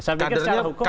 saya pikir secara hukum